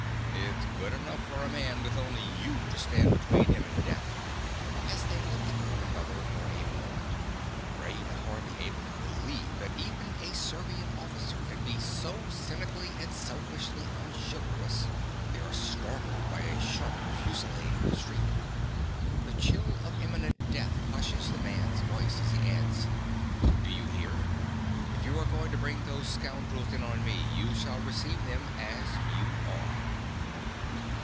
It's good enough for a man with only you to stand between him and death. (_As they look at one another for a moment, Raina hardly able to believe that even a Servian officer can be so cynically and selfishly unchivalrous, they are startled by a sharp fusillade in the street. The chill of imminent death hushes the man's voice as he adds_) Do you hear? If you are going to bring those scoundrels in on me you shall receive them as you are.